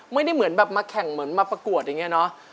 ไม่ได้เหมือนแบบมาแข่งเหมือนมาประกวดอย่างนี้เนาะ